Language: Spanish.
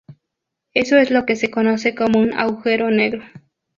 Eso es lo que se conoce como un agujero negro.